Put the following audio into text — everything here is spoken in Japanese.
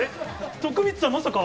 徳光さん、まさか？